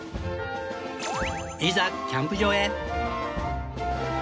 いざキャンプ場へ！